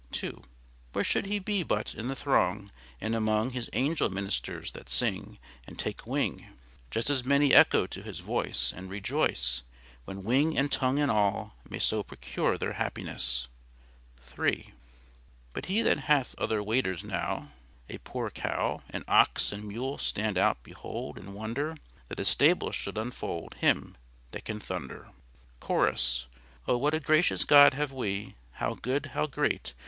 2. Where should He be but in the throng, And among His angel ministers, that sing And take wing Just as may echo to His voice, And rejoice, When wing and tongue and all May so procure their happiness? 3. But He hath other waiters now. A poor cow, An ox and mule stand and behold, And wonder That a stable should enfold Him that can thunder. Chorus. O what a gracious God have we! How good! How great!